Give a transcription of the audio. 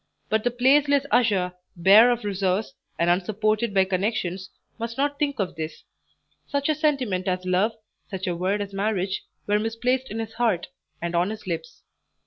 But the placeless usher, bare of resource, and unsupported by connections, must not think of this; such a sentiment as love, such a word as marriage, were misplaced in his heart, and on his lips.